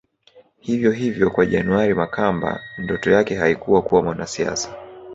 Hivyo hivyo kwa January Makamba ndoto yake haikuwa kuwa mwanasiasa